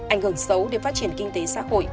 ảnh hưởng xấu đến phát triển kinh tế xã hội